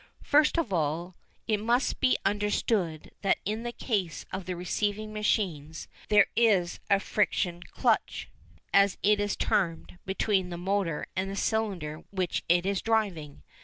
First of all, it must be understood that in the case of the receiving machine there is a friction clutch, as it is termed, between the motor and the cylinder which it is driving.